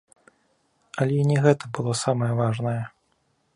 Але і не гэта было самае важнае.